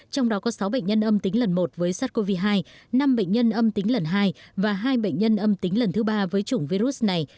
trong đó có sáu bệnh nhân âm tính lần một với sars cov hai năm bệnh nhân âm tính lần hai và hai bệnh nhân âm tính lần thứ ba với chủng virus này